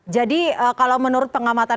jadi kalau menurut pengamatan